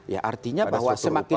ya artinya bahwa semakin